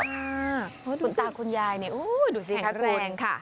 คุณตาคุณยายดูซิค่ะแข็งแรงค่ะ